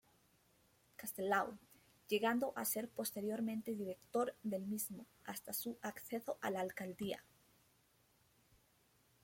Castelao", llegando a ser posteriormente director del mismo, hasta su acceso a la alcaldía.